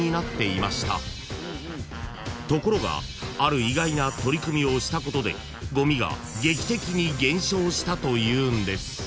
［ところがある意外な取り組みをしたことでごみが劇的に減少したというんです］